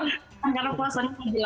karena puasanya lebih lama